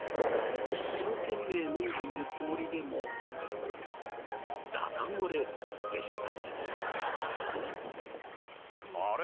一生懸命飲んでいるつもりでもだだ漏れでした。